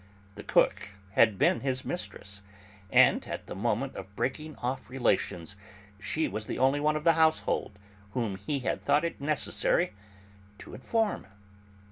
The cook had been his mistress, and at the moment of breaking off relations she was the only one of the household whom he had thought it necessary to inform.